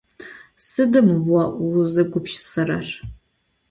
Sıdım vo vuzegupşısırer?